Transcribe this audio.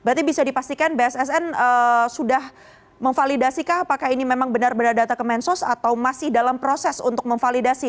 berarti bisa dipastikan bssn sudah memvalidasikah apakah ini memang benar benar data kementerian sosial atau masih dalam proses untuk memvalidasi